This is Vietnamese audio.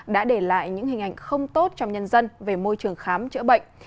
đã để lại những hình ảnh không tốt trong nhân dân về môi trường khám chữa bệnh